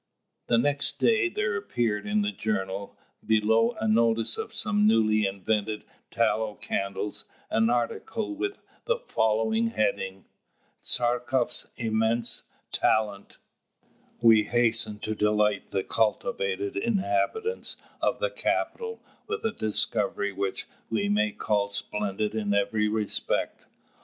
The next day there appeared in the journal, below a notice of some newly invented tallow candles, an article with the following heading: "TCHARTKOFF'S IMMENSE TALENT "We hasten to delight the cultivated inhabitants of the capital with a discovery which we may call splendid in every respect.